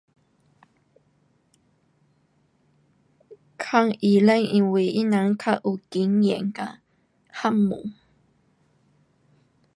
问医生因为他人较有经验跟学问。